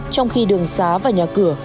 trong khi đường xá và nhà cửa